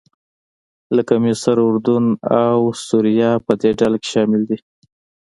لکه مصر، اردن او سوریه په دې ډله کې شامل دي.